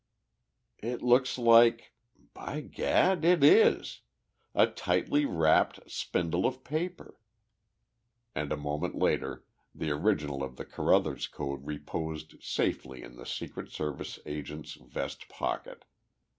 "It looks like by gad! it is! a tightly wrapped spindle of paper!" and a moment later the original of the Carruthers Code reposed safely in the Secret Service agent's vest pocket.